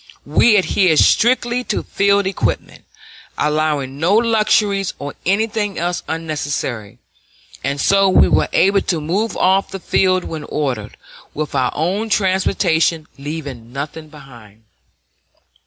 We adhered strictly to field equipment, allowing no luxuries or anything else unnecessary, and so we were able to move off the field when ordered, with our own transportation, leaving nothing behind.